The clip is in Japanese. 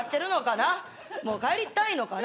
もう帰りたいのかな。